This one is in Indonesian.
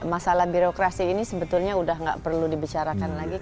masalah birokrasi ini sebetulnya udah nggak perlu dibicarakan lagi